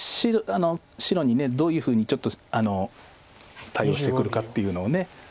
白にどういうふうにちょっと対応してくるかっていうのを。